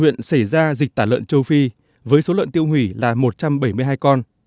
ngoài ra dịch tả lợn châu phi với số lợn tiêu hủy là một trăm bảy mươi hai con